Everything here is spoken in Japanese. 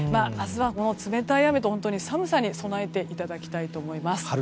明日は冷たい雨と寒さに備えていただきたいと思います。